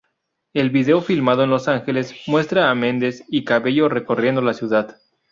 El video, filmado en Los Ángeles, muestra a Mendes y Cabello recorriendo la ciudad.